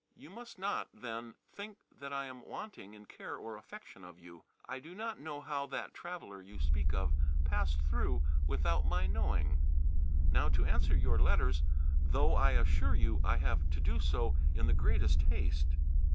You must not, then, think that I am wanting in care or affection for you. I do not know how that traveller you speak of passed through without my knowing. Now to answer your letters, though I assure you I have to do so in the greatest haste.